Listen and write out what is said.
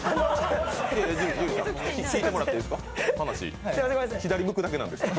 樹さん、聞いてもらっていいですか？